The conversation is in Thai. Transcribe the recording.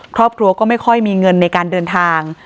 ครอบครัวก็ไม่ค่อยมีเงินในการเดินทาง